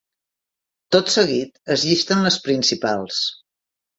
Tot seguit es llisten les principals.